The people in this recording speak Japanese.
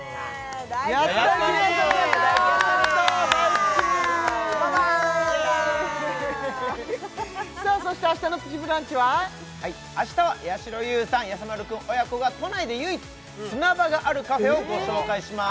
やったね・大吉ーさあそしてあしたの「プチブランチ」はあしたはやしろ優さんやさ丸くん親子が都内で唯一砂場があるカフェをご紹介します